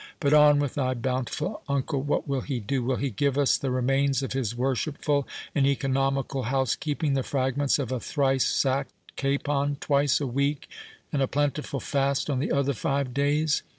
—But on with thy bountiful uncle—what will he do?—will he give us the remains of his worshipful and economical housekeeping, the fragments of a thrice sacked capon twice a week, and a plentiful fast on the other five days?